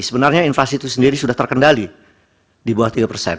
sebenarnya inflasi itu sendiri sudah terkendali di bawah tiga persen